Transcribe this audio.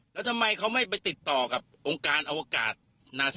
แล้วทำไมเขาไม่ไปติดต่อกับองค์กระเทศไทย